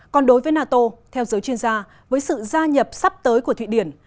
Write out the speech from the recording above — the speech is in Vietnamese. còn đối với nato theo giới chuyên gia với sự gia nhập sắp tới của thụy điển